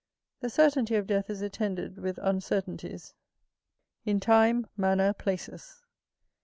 The certainty of death is attended with uncertainties, in time, manner, places.